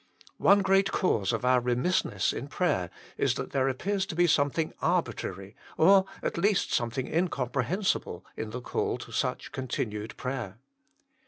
One great 4G THE MINISTRY OF INTERCESSION cause of our remissness in prayer is that there appears to be something arbitrary, or at least some thing incomprehensible, in the call to such continued prayer.